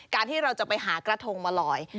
ที่เราจะไปหากระทงมาลอย